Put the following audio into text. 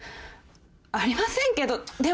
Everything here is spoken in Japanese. ありませんけどでも。